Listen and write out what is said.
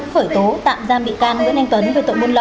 khởi tố tạm giam bị can nguyễn anh tuấn về tội buôn lậu